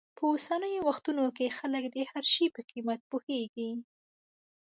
په اوسنیو وختونو کې خلک د هر شي په قیمت پوهېږي.